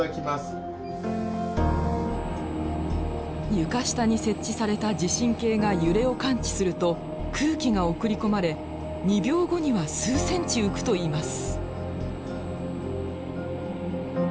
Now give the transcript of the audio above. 床下に設置された地震計が揺れを感知すると空気が送り込まれ２秒後には数ｃｍ浮くといいます。